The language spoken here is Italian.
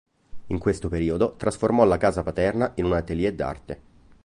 In questo periodo trasformò la casa paterna in un atelier d'arte.